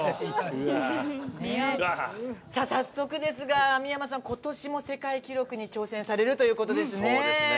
早速ですが、三山さん今年も世界記録に挑戦されるということですね。